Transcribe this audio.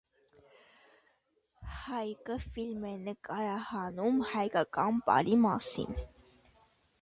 Հայկը ֆիլմ է նկարահանում հայկական պարի մասին։